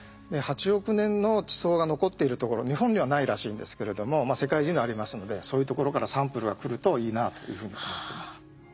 ８億年の地層が残っているところ日本にはないらしいんですけれども世界中にありますのでそういうところからサンプルが来るといいなというふうに思ってます。